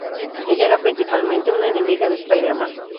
Ella era principalmente una enemiga de Spider-Man.